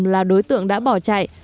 là đối tượng đã bỏ chạy